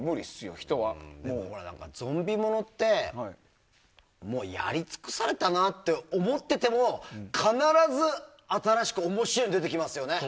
ゾンビ物ってやり尽くされたなって思っていても必ず、新しく面白いのが出てきますよね。